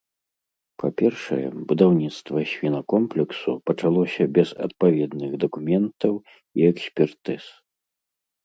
Па-першае, будаўніцтва свінакомплексу пачалося без адпаведных дакументаў і экспертыз.